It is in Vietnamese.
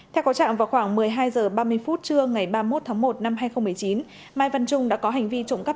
theo có trạng vào khoảng một mươi hai h ba mươi phút trưa ngày ba mươi một tháng một năm hai nghìn một mươi chín mai văn trung đã có hành vi trộm cắp